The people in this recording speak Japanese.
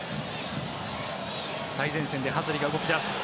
最前線でハズリが動き出す。